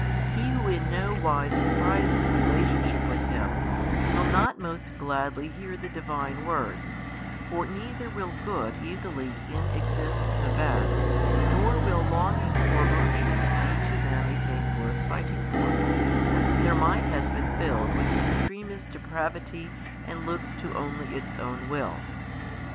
he who in no wise prizes relationship with Him, will not most gladly hear the Divine words: for neither will good easily inexist the bad, nor will longing for virtue be to them a thing worth fighting for, since their mind has been filled with the extremest depravity and looks to only its own will.